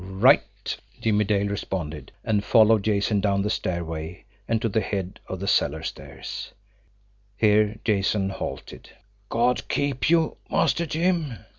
"Right!" Jimmie Dale responded and followed Jason down the stairway, and to the head of the cellar stairs. Here Jason halted. "God keep you, Master Jim!"